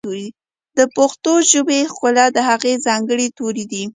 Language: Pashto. د پښتو ژبې ښکلا د هغې ځانګړي توري دي.